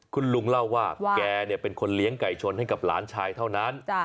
คุณลุงเล่าว่าแกเป็นคนเลี้ยงไก่ชนให้กับหลานชายเท่านั้น